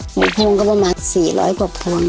หมูพรุงก็ประมาณ๔๐๐กว่าพรุง